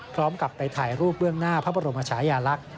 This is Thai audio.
พร้อมกับไปถ่ายรูปเบื้องหน้าพระบรมชายาลักษณ์